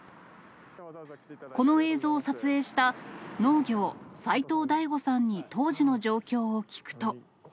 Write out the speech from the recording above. この映像を撮影した、農業、齊藤大悟さんに当時の状況を聞くと。